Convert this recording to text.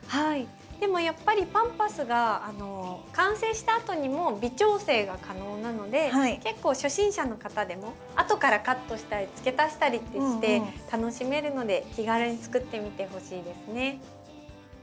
でもやっぱりパンパスが完成したあとにも微調整が可能なので結構初心者の方でも後からカットしたりつけ足したりってして楽しめるので気軽に作ってみてほしいですね。